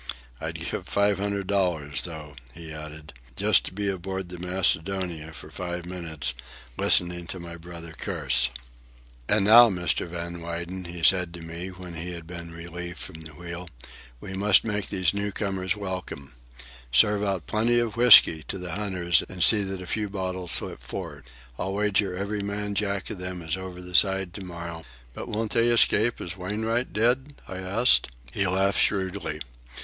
"I'd give five hundred dollars, though," he added, "just to be aboard the Macedonia for five minutes, listening to my brother curse." "And now, Mr. Van Weyden," he said to me when he had been relieved from the wheel, "we must make these new comers welcome. Serve out plenty of whisky to the hunters and see that a few bottles slip for'ard. I'll wager every man Jack of them is over the side to morrow, hunting for Wolf Larsen as contentedly as ever they hunted for Death Larsen." "But won't they escape as Wainwright did?" I asked. He laughed shrewdly.